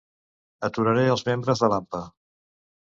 Aturaré els membres de l'AMPA.